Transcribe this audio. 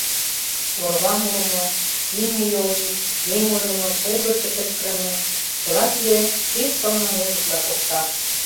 Орва мурымо, имне йолйӱк, еҥ ойлымо, пулдырчо кычкырыме — чыла тиде пеш сылне музыкла шокта!..